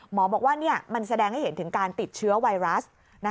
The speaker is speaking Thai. หมอบอกว่ามันแสดงให้เห็นถึงการติดเชื้อไวรัส